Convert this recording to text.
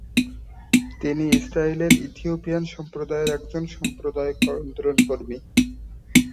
তিনি ইসরায়েলের ইথিওপিয়ান সম্প্রদায়ের একজন সম্প্রদায় আন্দোলনকর্মী।